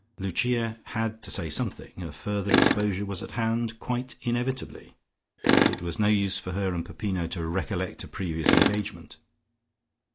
Lucia had to say something. A further exposure was at hand, quite inevitably. It was no use for her and Peppino to recollect a previous engagement.